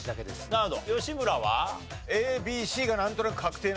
なるほど。